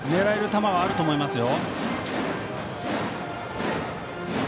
球はあると思いますよ。